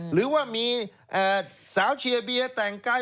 หรือว่ามีสาวเชียร์เบียร์แต่งกาย